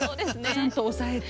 ちゃんと押さえて。